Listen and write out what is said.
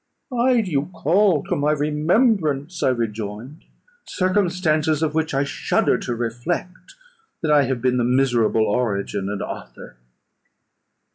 "Why do you call to my remembrance," I rejoined, "circumstances, of which I shudder to reflect, that I have been the miserable origin and author?